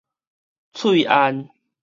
喙限